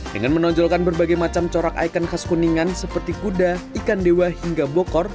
dengan menonjolkan berbagai macam corak ikon khas kuningan seperti kuda ikan dewa hingga bokor